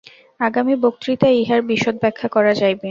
আগামী বক্তৃতায় ইহার বিশদ ব্যাখ্যা করা যাইবে।